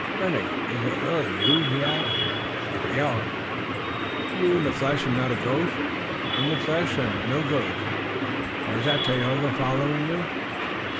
"Lennox, is it really you?" he asked. "Nobody else." "You in the flesh and not a ghost?" "In the flesh and no ghost." "And is that Tayoga following you?"